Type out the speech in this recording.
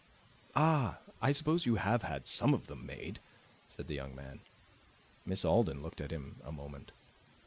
"Ah! I suppose you have had some of them made," said the young man. Miss Alden looked at him a moment.